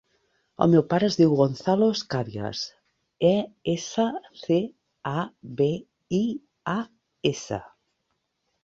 El meu pare es diu Gonzalo Escabias: e, essa, ce, a, be, i, a, essa.